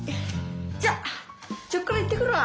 じゃちょっくら行ってくるわ。